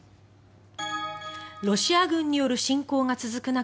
ロシア軍による侵攻が続く中